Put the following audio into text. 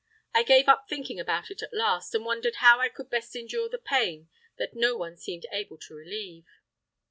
I gave up thinking about it at last, and wondered how I could best endure the pain that no one seemed able to relieve.